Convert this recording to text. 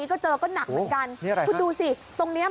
คุณดูสิ